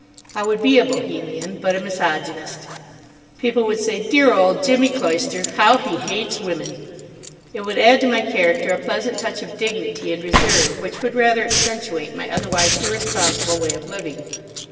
I would be a Bohemian, but a misogynist. People would say, "Dear old Jimmy Cloyster. How he hates women!" It would add to my character a pleasant touch of dignity and reserve which would rather accentuate my otherwise irresponsible way of living.